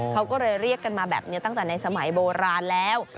เขาก็เลยเรียกกันมาแบบนี้ตั้งแต่ในสมัยโบราณแล้ว